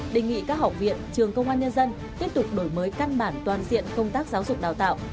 đề nghị các học viện trường công an nhân dân tiếp tục đổi mới căn bản toàn diện công tác giáo dục đào tạo